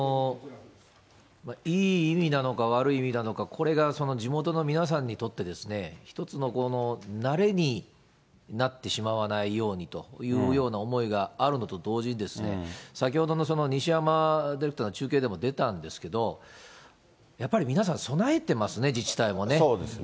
いい意味なのか悪い意味なのか、これが地元の皆さんにとってですね、一つの慣れになってしまわないようにというような思いがあるのと同時に、先ほどの西山ディレクターの中継でも出たんですけれども、やっぱり皆さん、備えてますね、自治体もね。